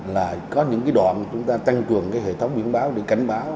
là có những cái đoạn chúng ta tăng cường hệ thống biển báo để cánh báo